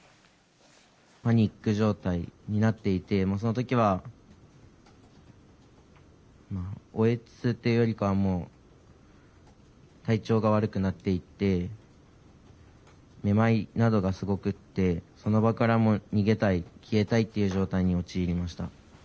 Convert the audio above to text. パニック状態になっていて、もうそのときは、おえつというよりかはもう体調が悪くなっていって、めまいなどがすごくって、その場から逃げたい、消えたいっていう状態に陥りました。